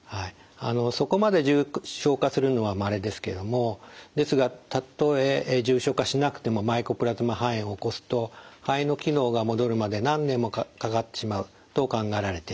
そこまで重症化するのはまれですけどもですがたとえ重症化しなくてもマイコプラズマ肺炎を起こすと肺の機能が戻るまで何年もかかってしまうと考えられています。